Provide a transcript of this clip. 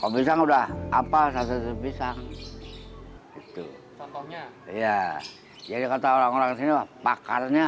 pisang udah apa satu pisang itu contohnya ya jadi kata orang orang sini pakarnya